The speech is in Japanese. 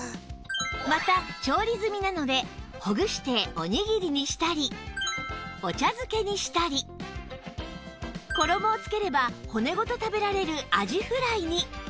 また調理済みなのでほぐしておにぎりにしたりお茶漬けにしたり衣をつければ骨ごと食べられるあじフライに